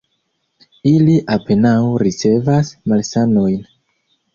Ili apenaŭ ricevas malsanojn.